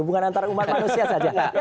hubungan antara umat manusia saja